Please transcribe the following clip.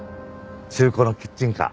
中古のキッチンカー。